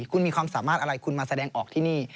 คุณมีความสามารถอะไรคุณมาแสดงออกที่นี่